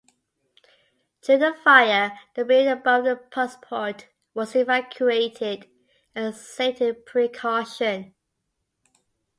During the fire, the building above the Busport was evacuated as a safety precaution.